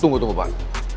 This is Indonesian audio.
tunggu tunggu pak